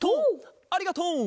ありがとう！